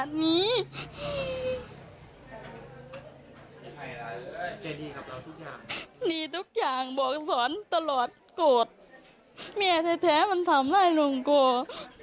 มีทุกอย่างบอกสอนตลอดโกรธแม่แท้มันทำได้ลุงโกรธ